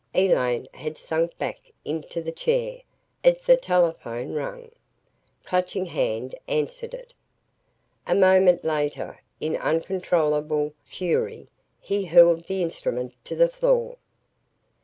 Elaine had sunk back into the chair, as the telephone rang. Clutching Hand answered it. A moment later, in uncontrollable fury he hurled the instrument to the floor.